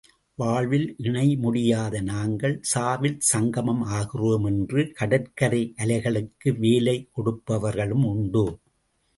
வாழ்வில் இணையமுடியாத நாங்கள் சாவில் சங்கமம் ஆகிறோம் என்று கடற்கரை அலைகளுக்கு வேலை கொடுப்பவர்களும் உண்டு.